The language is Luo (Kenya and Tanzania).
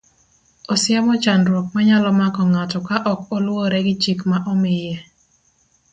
Osiemo chandruok manyalo mako ng'ato ka ok oluwore gi chik ma omiye.